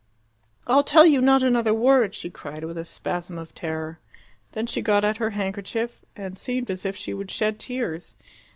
"I'll tell you not another word!" she cried, with a spasm of terror. Then she got out her handkerchief, and seemed as if she would shed tears.